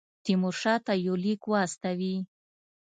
تیمورشاه ته یو لیک واستوي.